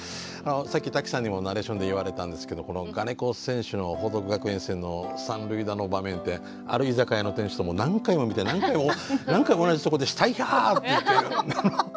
さっき多喜さんにもナレーションで言われたんですけど我如古選手の報徳学園戦の三塁打の場面ってある居酒屋の店主と何回も見て何回も同じとこでシタイヒャーって言って。